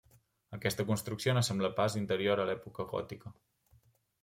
Aquesta construcció no sembla pas anterior a l'època gòtica.